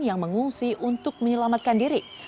yang mengungsi untuk menyelamatkan diri